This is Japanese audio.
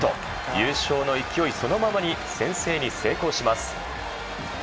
優勝の勢いそのままに先制に成功します。